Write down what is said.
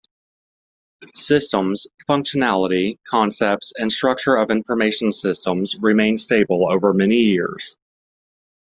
Systems, functionality, concepts and structure of information systems remain stable over many years.